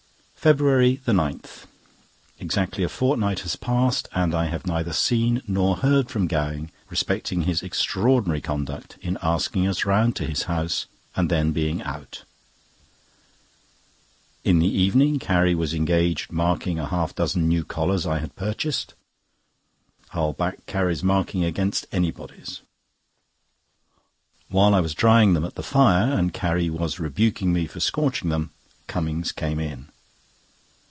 FEBRUARY 9.—Exactly a fortnight has passed, and I have neither seen nor heard from Gowing respecting his extraordinary conduct in asking us round to his house, and then being out. In the evening Carrie was engaged marking a half dozen new collars I had purchased. I'll back Carrie's marking against anybody's. While I was drying them at the fire, and Carrie was rebuking me for scorching them, Cummings came in.